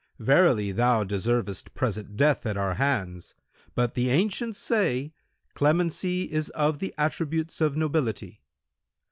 Verily, thou deservest present death at our hands; but the ancients say, 'Clemency is of the attributes of nobility.'